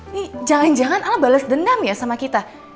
nih jangan jangan al bales dendam ya sama kita